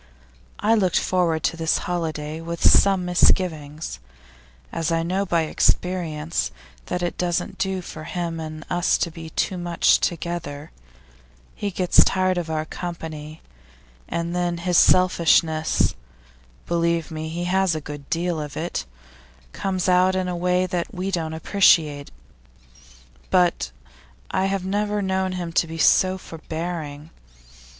I looked forward to this holiday with some misgivings, as I know by experience that it doesn't do for him and us to be too much together; he gets tired of our company, and then his selfishness believe me, he has a good deal of it comes out in a way we don't appreciate. But I have never known him so forbearing.